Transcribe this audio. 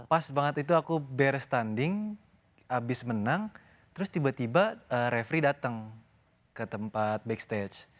pas banget itu aku beres tanding habis menang terus tiba tiba refri datang ke tempat backstage